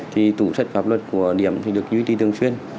thì tủ sách pháp luật của điểm thì được duy trì thường xuyên